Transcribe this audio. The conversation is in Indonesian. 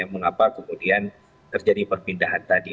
mengapa kemudian terjadi perpindahan tadi